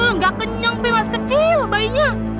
nggak kenyang pih masih kecil bayinya